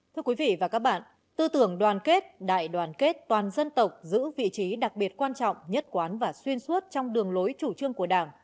thưa quý vị và các bạn tư tưởng đoàn kết đại đoàn kết toàn dân tộc giữ vị trí đặc biệt quan trọng nhất quán và xuyên suốt trong đường lối chủ trương của đảng